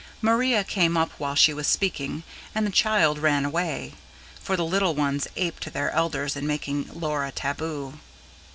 Maria came up while she was speaking, and the child ran away; for the little ones aped their elders in making Laura taboo.